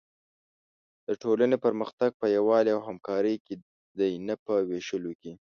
د ټولنې پرمختګ په یووالي او همکارۍ کې دی، نه په وېشلو کې.